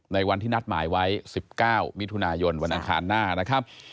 ในวันที่นัดหมายไว้๑๙มิถุนายนวันอังคารหน้านะครับ